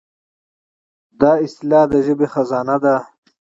دا اصطلاحات د ژبې خزانه ده.